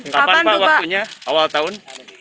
kapan pak waktunya awal tahun